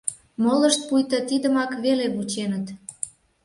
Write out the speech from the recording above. Молышт пуйто тидымак веле вученыт.